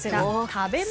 食べ物？